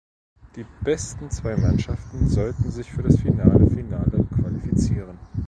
Die besten zwei Mannschaften sollten sich für das Finale Finale qualifizieren.